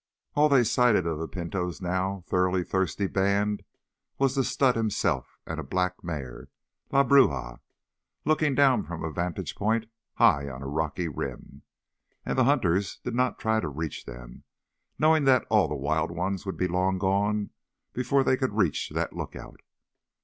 All they sighted of the Pinto's now thoroughly thirsty band was the stud himself and a black mare—La Bruja—looking down from a vantage point high on a rocky rim. And the hunters did not try to reach them, knowing that all the wild ones would be long gone before they could reach that lookout.